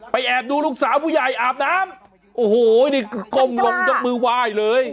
แอบดูลูกสาวผู้ใหญ่อาบน้ำโอ้โหนี่ก้มลงยกมือไหว้เลย